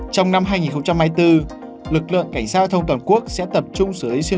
trong năm hai nghìn hai mươi bốn lực lượng cảnh sát giao thông toàn quốc sẽ tập trung xử lý xuyên